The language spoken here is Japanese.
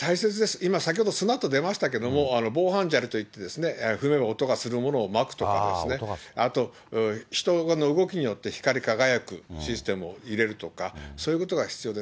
今、先ほど、砂と出ましたけど、防犯砂利といって、踏めば音がするものをまくとかですね、あと人の動きによって光り輝くシステムを入れるとか、そういうことが必要です。